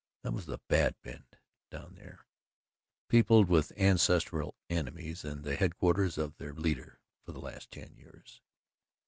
That was the "Bad Bend" down there, peopled with ancestral enemies and the head quarters of their leader for the last ten years.